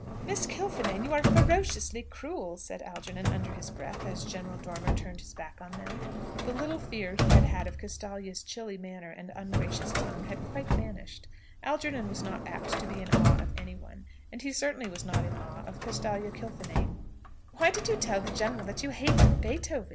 "Miss Kilfinane, you are ferociously cruel!" said Algernon under his breath as General Dormer turned his back on them. The little fear he had had of Castalia's chilly manner and ungracious tongue had quite vanished. Algernon was not apt to be in awe of anyone; and he certainly was not in awe of Castalia Kilfinane. "Why did you tell the general that you hated Beethoven?"